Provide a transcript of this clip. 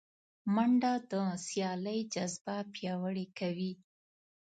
منډه د سیالۍ جذبه پیاوړې کوي